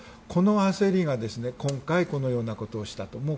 この焦りが今回、このようなことをしたと。